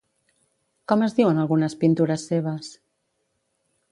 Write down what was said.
Com es diuen algunes pintures seves?